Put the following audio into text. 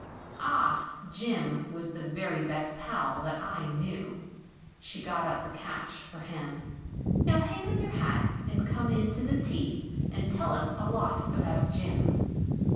"Ah! Jim was the very best pal that I knew," She got out the cash for him, "Now hang up your hat, and come in to the tea, And tell us a lot about Jim."